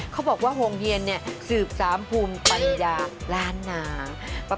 เขาบอกว่าโฮงเฮียนเนี่ยสืบสามภูมิปัญญาล้านนา